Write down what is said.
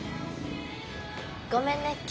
ごめんね。